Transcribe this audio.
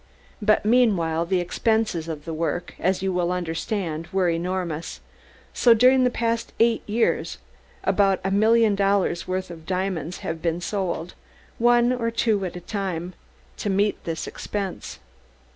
But meanwhile the expenses of the work, as you will understand, were enormous, so during the past eight years about a million dollars' worth of diamonds have been sold, one or two at a time, to meet this expense."